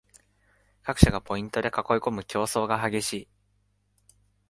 各社がポイントで囲いこむ競争が激しい